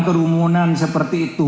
kerumunan seperti itu